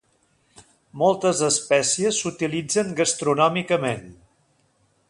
Moltes espècies s'utilitzen gastronòmicament.